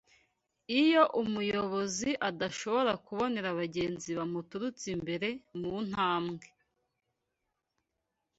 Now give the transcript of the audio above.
iyo umuyobozi adashobora kubonera abagenzi bamuturutse imbere mu ntambwe